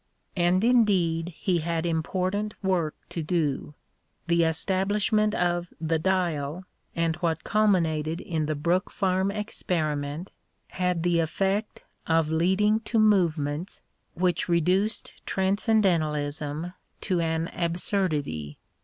And indeed he had important work to do. The establishment of The Dial and what culminated in the Brook Farm experiment had the eflfect of leading to movements which reduced transcendentalism to an absurdity.